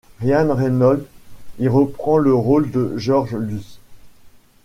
Ryan Reynolds y reprend le rôle de George Lutz.